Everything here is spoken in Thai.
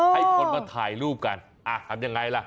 ให้คนมาถ่ายรูปกันทำยังไงล่ะ